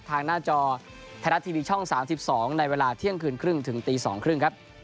ทางหน้าจอไทยรัฐทีวีช่อง๓๒ในเวลาเที่ยงคืนครึ่งถึงตี๒๓๐ครับ